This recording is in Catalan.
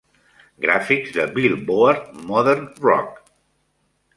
Gràfics de Billboard Modern Rock.